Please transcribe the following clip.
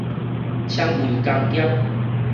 纖維工業